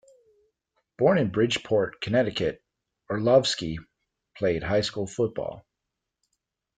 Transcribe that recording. Born in Bridgeport, Connecticut, Orlovsky played high school football.